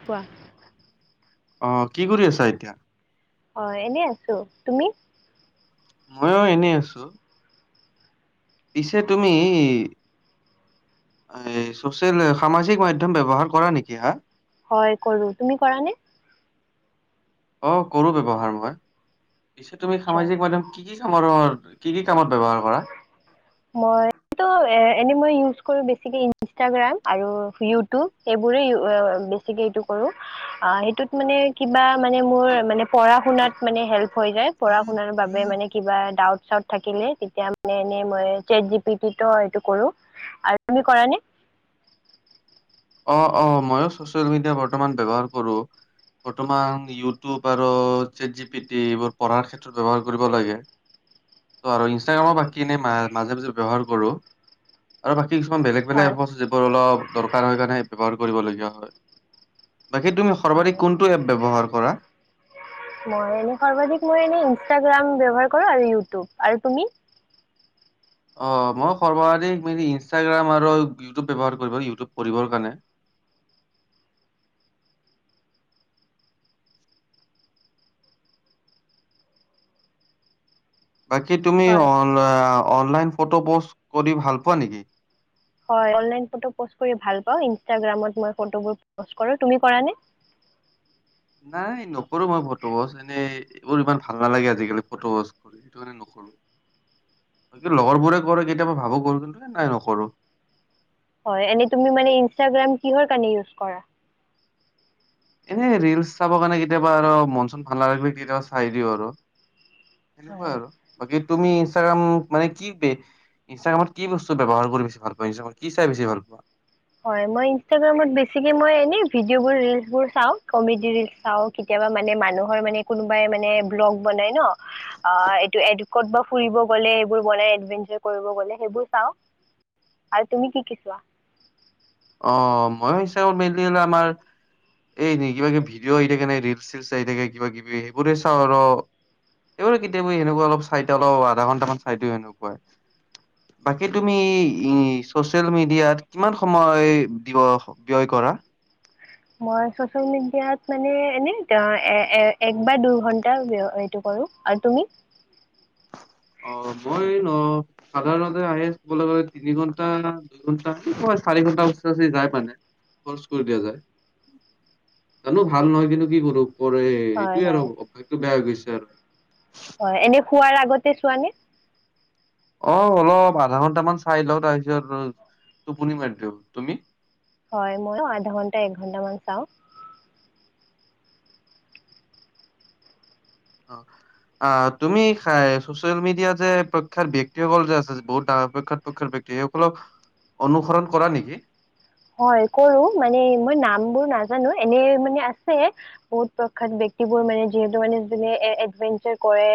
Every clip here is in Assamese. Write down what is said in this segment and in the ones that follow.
কোৱা। অ' কি কৰি আছা এতিয়া? অ' এনেই আছো তুমি? মইয়ো এনে আছো। পিছে তুমি চচিয়েল সামাজিক মাধ্যম ব্যৱহাৰ কৰা নেকি হা? হয় কৰো, তুমি কৰা নে? অ' কৰো ব্যৱহাৰ মই। পিছে তুমি আচ্ছা সামাজিক মাধ্যম কি কি [unintelligible] কি কি কামত ব্যৱহাৰ কৰা? মইটো এনে মই ইউজ কৰো বেছিকে ইনষ্টাগ্ৰাম আৰু ইউটিউব। সেইবোৰে বেছিকে এইটো কৰো। আহ, সেইটোত মানে কিবা মানে মোৰ মানে পঢ়া শুনাত মানে হ হৈ যায়। পঢ়া শুনাৰ বাবে মানে কিবা ডাউট চাউট থাকিলে তে তিয়া মানে এনে মই ছেট জি পি টি টো এইটো কৰো আৰু তুমি কৰা নে? অ', অ' মইয়ো ছচিয়েল মিডিয়া বৰ্তমান ব্যৱহাৰ কৰো। বৰ্তমান ইউটিউব আৰু চেট জি পি টি এইবোৰ পঢ়াৰ ক্ষেত্ৰত ব্যৱহাৰ কৰিব লাগে। ত' আৰু ইনষ্টাগ্ৰামো বাকী এনেই মাজে মাজে ব্যৱহাৰ কৰোঁ। আৰু বাকী কিছুমান বেলেগ বেলেগ হয় এপো যিবোৰ অলপ দৰ কাৰ হৈ কাৰণে ব্যৱহাৰ কৰিব লগীয়া হয়। বাকী তুমি হয় সৰ্বাধিক কোনটো এপ ব্যৱহাৰ কৰা? মই এনে সৰ্বাধিক মই এনে ইনষ্টাগ্ৰাম ব্যৱহাৰ কৰো আৰু ইউটিউব আৰু তুমি? অ' মই সৰ্বাধিক মানে ইনষ্টাগ্ৰাম আৰু ইউটিউব ব্যৱহাৰ কৰিব ইউটিউব পঢ়িবৰ কাৰণে। বাকী তুমি হয় অন আ অনলাইন ফটো পোষ্ট কৰি ভাল পোৱা নেকি? হয় অনলাইন ফটো পোষ্ট কৰি ভাল পাওঁ। ইনষ্টাগ্ৰামত মই ফটোবোৰ পোষ্ট কৰো তুমি কৰা নে? নাই নকৰো মই ফটো পোষ্ট। এনেই এইবোৰ ইমান ভাল নালাগে আজিকালি ফটো পোষ্ট কৰি। সেইটো কাৰণে নকৰো বাকী লগৰবোৰে কৰে কেতিয়াবা ভাবো কৰো কিন্তু নাই নকৰো। হয় এনে তুমি মানে ইনষ্টাগ্ৰাম কিহৰ কাৰণে ইউজ কৰা? এনে ৰিলচ চাব কাৰণে কেতিয়াবা আৰু মন চন ভাল নালাগিলে কেতিয়াবা চাই দিওঁ আৰু। সেনেকুৱা হয় আৰু বাকী তুমি ইনষ্টাগ্ৰাম মানে কি [unintelligible] ইনষ্টাগ্ৰামত কি বস্তু ব্যৱহাৰ কৰি বেছি ভাল পোৱা ইনষ্টাগ্ৰামত কি চাই বেছি ভাল পোৱা? হয় মই ইনষ্টাগ্ৰামত বেছিকে মই এনেই ভিডিঅ' বোৰ ৰিলচ বোৰ চাও কমেডি ৰিলচ চাও কেতিয়াবা মানে মানুহৰ মানে কোনোবাই মানে ব্লগ বনাই ন অ এইটো এড কৰবাত ফুৰিব গলে এইবোৰ বনাই এভেঞ্চাৰ কৰিব গলে সেইবোৰ চাও আৰু তুমি কি কি চোৱা অ মই চাওঁ মেনলি আমাৰ এই নি কিবা কিবি ভিডিঅ' আহি থাকে নাই ৰিলচ চিলচ আহি থাকে কিবা কিবি সেইবোৰে চাওঁ আৰ অ কেতিয়াবা এনেকুৱা অলপ চাইটা লও আধা ঘণ্টামান চাই দিও সেনকা আৰ বাকী তুমি ই চচিয়েল মিডিয়াত কিমান সম ময় দিব ব্যয় কৰা মই চচিয়েল মিডিয়াত মানে এনে এ এ এক বা দুইঘন্টা এইটো কৰো আৰু তুমি অ মই ন সাধাৰণতে আহি কবলৈ গলে তিনি ঘন্টা দুইঘন্টা চাৰি ঘন্টা ওচৰা ওচৰি যায় মানে খৰচ কৰি দিয়া যায় জানো ভাল নহয় কিন্তু কি কৰো কৰেই এ হয় এইটোৱেই আৰু হয় অভ্যাসটো বেয়া হৈ গৈছে আৰ হয় এনে শোৱাৰ আগতে চোৱানে অ অলপ আধা ঘন্টামান চাই লও তাৰপিছত টোপনি মাৰি দিওঁ তুমি হয় মইও আধা ঘন্টা এক ঘন্টামান চাও অ অ তুমি এ ছচিয়েল মিডিয়াত যে প্ৰখ্যাত ব্যক্তিসকল যে আছে বহুত ডাঙৰ প্ৰখ্যাত প্ৰখ্যাত ব্যক্তি সেইসকলক অনুসৰণ কৰা নিকি হয় কৰো মানে মই নাম বোৰ নাজানো এনে মানে আছে বহুত প্ৰখ্যাত ব্যক্তিবোৰ মানে যিহেতু মানে যোনে এডভেঞ্চাৰ কৰে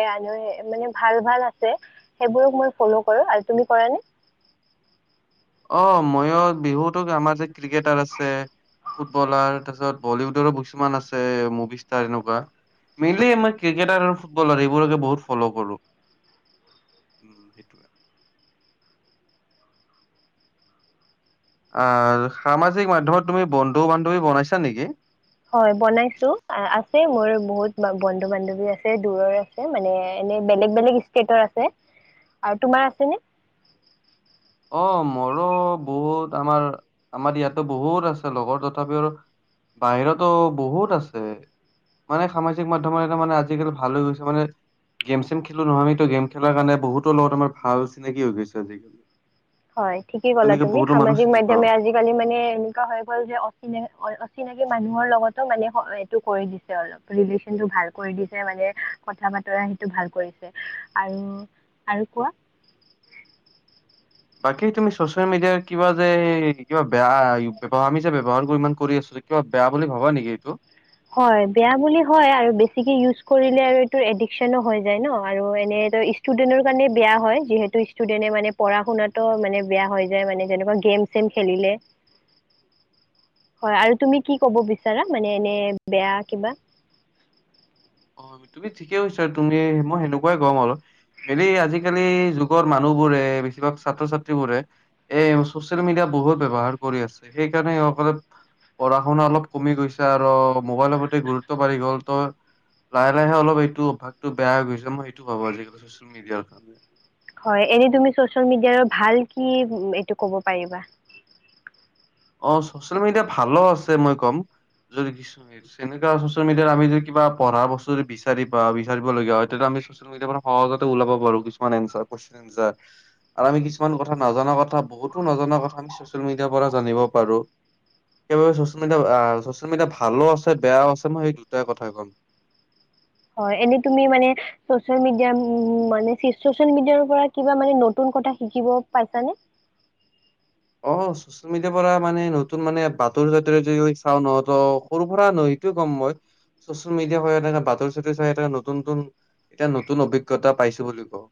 মানে ভাল ভাল আছে সেইবোৰক মই ফল' কৰো আৰু তুমি কৰা নে? অ ময়ো বিহুতো আমাৰ যে ক্ৰিকেটাৰ আছে ফুটবলাৰ তাৰপিছত বলিউডৰো কিছুমান আছে মুভি ষ্টাৰ এনেকুৱা মেইনলি মই ক্ৰিকেটাৰ আৰু ফুটবলাৰ এইবোৰকে বহুত ফল' কৰো উম সেইটোয়ে আৰ সামাজিক মাধ্যমত তুমি বন্ধু বান্ধৱী বনাইছা নিকি হয় বনাইছো আছে মোৰ বহুত বন্ধু বান্ধৱী আছে দূৰৰে মানে এনে বেলেগ বেলেগ ষ্টেটৰ আছে আৰু তোমাৰ আছে নে? অ মোৰো বহুত আমাৰ আমাৰ ইয়াতো বহুত আছে লগৰ তথাপিও আৰু বাহিৰতো বহুত আছে মানে সামাজিক মাধ্যমত এটা মানে আজিকালি ভাল হৈ গৈছে মানে গেম চেম খেলো নহয় আমি গেম খেলাৰ কাৰণে বহুতৰ লগত আমাৰ ভাল চিনাকি হৈ গৈছে আজিকালি হয় ঠিকেই ক'লা এনেকে তুমি বহুতো মানুহ সামাজিক চিনি পাওঁ। মাধ্যমে আজি কালি মানে এনেকুৱা হৈ গ'ল যে অচিনাকি অচিনাকি মানুহৰ লগতো মানে এইটো কৰি দিছে অলপ ৰিলেচন টো ভাল কৰি দিছে মানে কথা বাতৰা সেইটো ভাল কৰিছে আৰু আৰু কোৱা বাকী তুমি চচিয়েল মিডিয়াৰ কিবা যে এই কিবা বেয়া ইউপ আমি যে ব্যৱহাৰ ইমান কৰি আছো কিবা বেয়া বুলি ভাবো নিকি এইটো হয় বেয়া বুলি হয় আৰু বেছিকে ইউজ কৰিলে আৰু এইটো এডিকচনো হৈ যায় ন আৰু এনে ইচ ষ্টুডেন্টৰ কাৰণে বেয়া হয় যিহেতু ষ্টুডেণ্টে মানে পঢ়া শুনাতো মানে বেয়া হৈ যায় মানে যেনকা গেম চেম খেলিলে [inaudible] হয় আৰু তুমি কি কব বিচাৰা, মানে এনে বেয়া কিবা। অ', তুমি ঠিকেই কৈছা, তুমি মই সেনেকুৱাই কম আৰু মেলি আজিকালি যুগৰ মানুহ বোৰে, বেছিভাগ ছাত্ৰ ছাত্ৰীবোৰে। এ, চচিয়েল মিডিয়া বহুত ব্যৱহাৰ কৰি আছে, সেইকাৰণে সেই সকলৰ পঢ়া শুনা অলপ কমি গৈছে আৰু মোবাইলৰ প্ৰতি গুৰুত্ব বাঢ়ি গ'ল, ত' লাহে, লাহে, অলপ এইটো, অভ্যাসটো বেয়া হৈ গৈছে, মই সেইটো ভাবো আজিকালি ছচিয়েল মিডিয়াৰ কাৰণে। হয়, এনেই তুমি চচিয়েল মিডিয়াৰ ভাল কি, এইটো ক'ব পাৰিবা। অ', ছচিয়েল মিডিয়া ভাল আছে মই কম, যদি কিছু [unintelligible] এনেকে চচিয়েল মিডিয়াত, আমি যদি কিবা পঢ়া বস্তু যদি বিচাৰি বা বিচাৰিব লগীয়া হয় তেতিয়া আমি চচিয়েল [unintelligible] কেতিয়া সহজতে ওলাব পাৰো কিছুমান এনচাৰ কুৱেচন এনচাৰ। আৰু আমি কিছুমান কথা নাজনা কথা, বহুতো নজনা কথা, আমি চচিয়েল মিডিয়াৰ পৰা জানিব পাৰো। সেইবাবে চচিয়েল মিডিয়া আ, ছচিয়েল মিডিয়া ভালো আছে বেয়াও আছে মই সেই দুটাই কথা ক'ম। হয়, এনেই তুমি মানে। চচিয়েল মিডিয়া উম, মানে চি চচিয়েল মিডিয়াৰ পৰা কিবা মানে নতুন কথা শিকিব পাইছানে? অ', চচি চচিয়েল মিডিয়াৰ পৰা মানে নতুন মানে বাতৰি চাতৰি যদি চাওঁ নহয় ত সৰু পৰা নহয় সেইটোৱে কম মই। চচিয়েল মিডিয়া পৰা এনেকে বাতৰি চাতৰি চাই এটা নতুন নতুন এতিয়া নতুন অভিজ্ঞতা পাইছো বুলি কওঁ।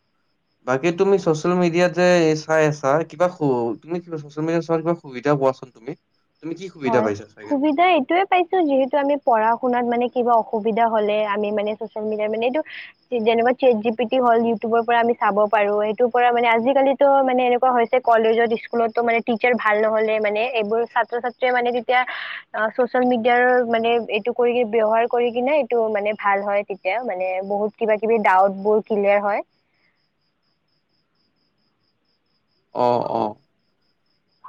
বাকী তুমি চচিয়েল মিডিয়াত যে চাই আছা, কিবা সু তুমি কিবা চচিয়েল মিডিয়া চোৱাৰ কিবা সুবিধা কোৱাচোন তুমি। তুমি কি সুবিধা হয়, পাইছা চাই কেনে? সুবিধা এইটোৱে পাইছো যিহেতু আমি পঢ়া শুনাত মানে কিবা অসুবিধা হ'লে আমি মানে চচিয়েল মিডিয়াৰ মানে এইটো যি যেনেকুৱা চেট জি পি টী হ'ল, ইউটিউবৰ পৰা আমি চাব পাৰো, সেইটো পৰা মানে আজিকালি ত', মানে এনেকুৱা হৈছে, কলেজত-স্কুলতো মানে টিচাৰ ভাল নহলে, মানে এইবোৰ ছাত্ৰ-ছাত্ৰ চে মানে তেতিয়া, অ', চচিয়েল মিডিয়াৰ মানে এইটো কৰি ব্যৱহাৰ কৰি কিনে এইটো মানে ভাল হয়। তেতিয়া মানে বহুত কিবা কিবি ডাউট বোৰ ক্লিয়াৰ হয়। অ', অ'।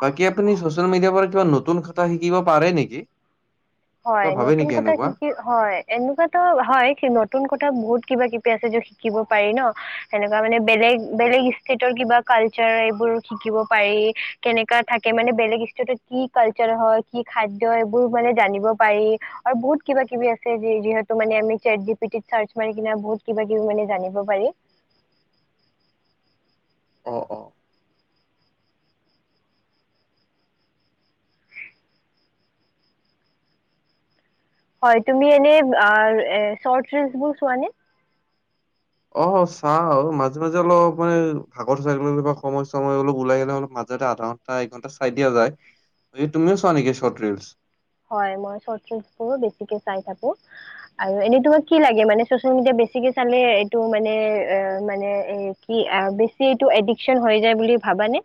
বাকী আপুনি চচিয়েল মিডিয়াৰ পৰা কিবা নতুন কথা শিকিব পাৰে নেকি? হয়, কিবা ভাবে নতুন নেকি কথা এনেকুৱা? শিকি হয়, এনেকুৱাতো হয়, কি, নতুন কথা বহুত কিবা কিবি আছে যত শিকিব পাৰি ন। সেনেকুৱা মানে বেলেগ বেলেগ ষ্টেটৰ কিবা কালচাৰ এইবোৰ শিকিব পাৰি। কেনেকা থাকে মানে বেলেগ ষ্টেটত কি কালচাৰ হয়, কি খাদ্য এইবোৰ মানে জানিব পাৰি আৰু বহুত কিবা কিবি আছে যি-যিহেতু মানে আমি চেট জি পি টিত চাৰ্চ মাৰি কিনে বহুত কিবা কিবি মানে জানিব পাৰি। অ', অ'। হয়, তুমি এনে আ এ, চৰ্ত ৰিলচ বোৰ চোৱা নে? অ', চাও, মাজে, মাজে, অলপ মানে ভাগৰ [unintelligible] সময় চময় অলপ ওলাই গ, লে অলপ মাজেতে আধা ঘ তা একঘণ্টা চাই দিয়া যায়, এই তুমিও চোৱা নেকি চৰ্ত ৰিলচ? হয়, মই চৰ্ট ৰিলচ বহুত বেচিকে চাই থাকো। আৰু এনেই তোমাক কি লাগে, মানে চচিয়েল মিডিয়া বেছিকে চালে এইটো মানে এ, মানে এ কি এ, বেছি এইটো এডিকশচন হৈ যায় বুলি ভাবানে?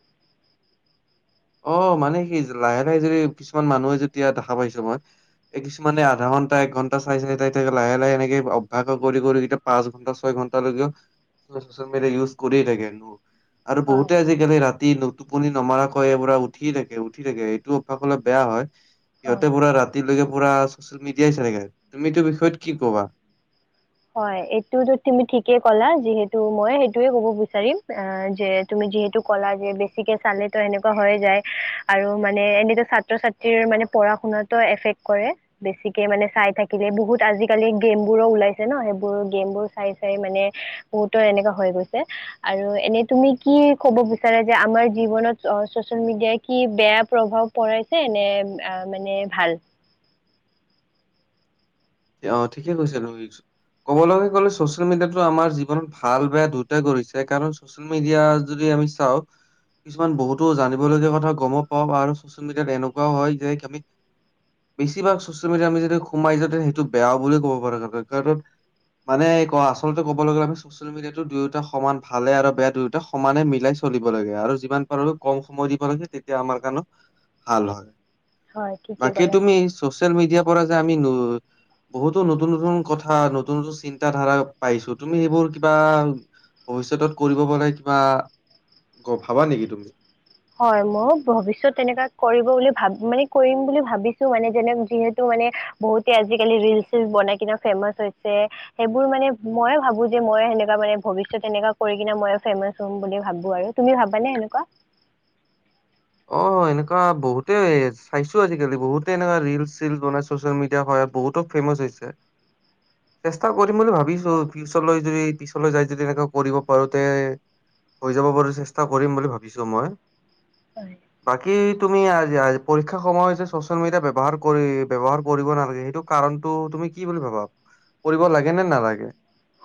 অ' মানে কি লাহে, লাহে, যদি কিছুমান মানুহে যেতিয়া দেখা পাইছোঁ মই এ, কিছুমানে আধা ঘণ্টা, এক ঘণ্টা, চাই চাই, চাই চাই লাহে লাহে এনেকে অভ্যাস কৰি কৰি [unintelligible] পাঁচ ঘন্টা, ছয় ঘন্টা, লৈকে চচিয়েল মিডিয়া ইউজ কৰিয়ে থাকে [unintelligible] আৰু হয় বহুতে আজিকালি ৰাতি টোপনি নমাৰকৈ কৈয়ে পুৰা উঠি থাকে, উঠি থাকে, এইটো অভ্যাস হ'লে বেয়া হয়, সিহঁতে হয় পুৰা ৰাতি ৰাতিলৈকে পুৰা ছ'চিয়েল মিডিয়াই চাই থাকে, তুমি এইটো বিষয়ত কি ক'বা? হয়, এইটোতো তুমি ঠিকেই ক'লা, যিহেতু মই সেইটোয়ে ক'ব বিচাৰিম অ, যে তুমি যিহেতু কলা যে বেছিকে চালেতো, সেনেকুৱা হৈ যায় আৰু মানে এনেতো ছাত্ৰ-ছাত্ৰী মানে পঢ়া শুনাতো, এফেক্ট কৰে। বেছিকে মানে চাই থাকিলে, বহুত আজিকালি গেম বোৰো ওলাইছে। ন, সেইবোৰ গেম বোৰ চাই, চাই মানে বহুতৰ এনেকুৱা হৈ গৈছে। আৰু এনে তুমি কি ক'ব বিচাৰা যে, আমাৰ জীৱনত অ, চচিয়েল মিডিয়াই কি বেয়া প্ৰভাৱ পঢ়াইছে নে, অ, মানে ভাল অ, ঠিকে কৈছা, ন [inaudible] ক'বলৈ গ'লে ছ'চিয়েল মিডিয়াতো আমাৰ জীৱনত ভাল, বেয়া, দুয়োতাই গঢিছে কাৰণ ছচিয়েল মিডিয়া, যদি আমি চাওঁ। কিছুমান বহুতো জানিবলগীয়া কথা গম পাওঁ। আৰু ছ'চিয়েল মিডিয়াত এনেকুৱাও হয় যে আমি বেছিভাগ ছচিয়েল মিডিয়া আমি যদি সোমাই যাওঁ, তে সেইটো বেয়াও বুলিও ক'ব পাৰো। কাৰণ মানে কয়। আচলতে কবলৈ গ'লে আমি ছ'চিয়েল মিডিয়াটো দুয়োটা সমান। ভালে আৰু বেয়া দুয়োটা সমানে মিলাই চলিব লাগে। আৰু যিমান পাৰোঁ কম সময় দিব। লাগে তেতিয়া আমাৰ কাৰনে ভাল হয়। হয় ঠিকেই বাকী ক'লা তুমি ছ'চিয়েল মিডিয়াৰ পৰা যে আমি বহুতো নতুন, নতুন, কথা নতুন, নতুন, চিন্ত ধাৰা পাইছো, তুমি সেইবোৰ কিবা ভৱিষ্যতত কৰিব কাৰন, কিবা ভাবা নেকি তুমি? হয়, মই ভৱিষ্যত তেনেকা কৰিব বুলি ভাবিছো। মানে কৰিম বুলি ভাবিছো মানে, যেনেক যিহেতু মানে বহুতে আজিকালি ৰিল-চিল বনাই কিনে ফেমাচ হৈছে। সেইবোৰ মানে মই ভাবো যে, মই সেনেকা মানে ভৱিষ্যত এনেকুৱা কৰি কিনে মই, ফেমাচ হম বুলি ভাবো আৰু। তুমি ভাবানে, এনেকুৱা? অহ, এনেকুৱা বহুতে চাইছো, আজিকালি বহুতে এনেকুৱা ৰিল -চিল বনাই ছ'চিয়েল মিডিয়া সহায়ত বহুতো ফেমাচ হৈছে। চেষ্টা কৰিম বুলি ভাবিছো। ফিউচাৰলৈ যদি পিছলৈ যাই যদি এনেকৈ কৰিব পাৰো তে। হৈ যাব পাৰো। চেষ্টা কৰিম বুলি ভাবিছো মই। হয়। বাকী তুমি পৰীক্ষা সময়ত যে, ছ'চিয়েল মিডিয়া ব্যৱহাৰ কৰি ব্যৱহাৰ কৰিব নালাগে, সেইটো কাৰণটো তুমি কি বুলি ভাবা? কৰিব লাগে নে, নালাগে।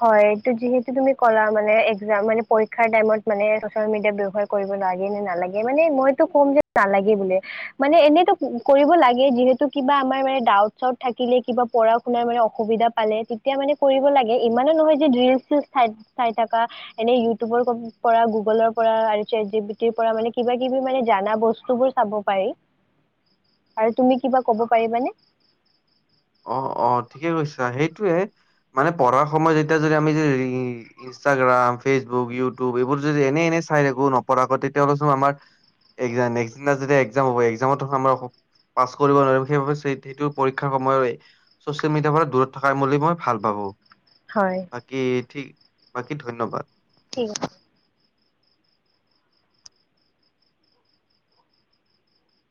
হয়, এটো যিহেতু তুমি ক'লা মানে একজাম মানে পৰীক্ষাৰ টাইমত মানে ছ'চিয়েল মিডিয়া ব্যৱহাৰ কৰিব লাগে নে, নালাগে, মানে মইতো ক'ম যে নালাগে বুলিয়ে। মানে এনেতো কৰিব লাগে। যিহেতু কিবা আমাৰ মানে ডাউট- চাউট থাকিলে কিবা পঢ়া- শুনাৰ মানে অসুবিধা পালে, তেতিয়া মানে কৰিব লাগে। ইমানো নহয় যে ৰিলচ-চিলছ চাই থকা। এনে ইউটিউবৰ পৰা, গুগলৰ পৰা, আৰু চেদজিপিটিৰ পৰা মানে, কিবা কিবি মানে জানা বস্তুবোৰ চাব পাৰি। আৰু তুমি কিবা ক'ব পাৰিবানে। অ, অ, ঠিকে কৈছা। সেইটোয়ে মানে পঢ়াৰ সময়ত যেতিয়া যদি আমি যেদি ইনষ্টাগ্ৰাম, ফেচবুক, ইউটিউব, এইবোৰ যদি এনে, এনে, চাই থাকো নপঢ়াকৈ তেতিয়াহ'লে চোন আমাৰ নেক্স দিনা, যদি একজাম হ'ব একজামতো আমাৰ পাছ কৰিব নোৱাৰিম। সেইবাবে সেইটো পৰীক্ষাৰ সময়ে হয়। চচিয়েল মিডিয়াৰ পৰা দূৰত থকাই বুলি মই ভাল পাবো। হয়। বাকী ঠিক। বাকী ধন্যবাদ। ঠিক